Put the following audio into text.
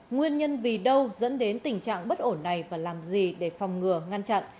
nguyên nhân vì đâu dẫn đến tình trạng bất ổn này và làm gì để phòng ngừa ngăn chặn